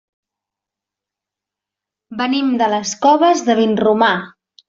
Venim de les Coves de Vinromà.